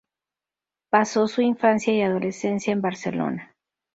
Pasó su infancia y adolescencia en Barcelona.